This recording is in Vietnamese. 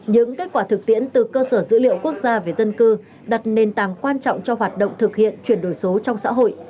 những kết quả thực tiễn từ cơ sở dữ liệu quốc gia về dân cư đặt nền tảng quan trọng cho hoạt động thực hiện chuyển đổi số trong xã hội